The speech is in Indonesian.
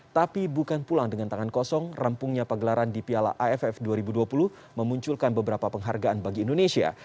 tapi bukan pulang dengan tangan kosong rampungnya pagelaran di piala aff dua ribu dua puluh memunculkan beberapa penghargaan bagi indonesia